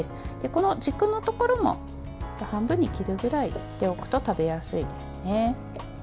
この軸のところも半分に切るぐらいで切っておくと食べやすいですね。